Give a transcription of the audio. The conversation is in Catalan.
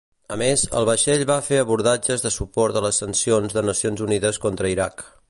A més, el vaixell va fer abordatges de suport a les sancions de Nacions Unides contra Iraq.